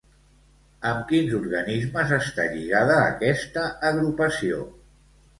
Amb quins organismes està lligada aquesta agrupació?